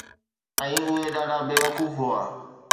۽ اهي ڏاڍا بيوقوف هئا